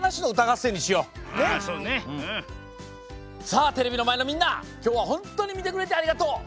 さあテレビのまえのみんなきょうはほんとうにみてくれてありがとう！